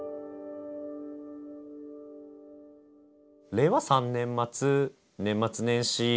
令和３年末年末年始にですね